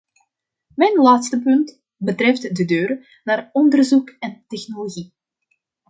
Mijn laatste punt betreft de deur naar onderzoek en technologie.